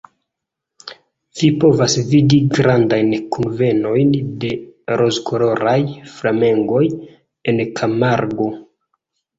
Vi povas vidi grandajn kunvenojn de rozkoloraj flamengoj en Kamargo.